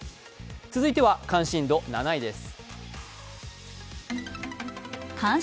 続いては関心度７位です。